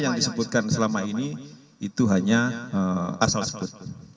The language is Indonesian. yang disebutkan selama ini itu hanya asal sebut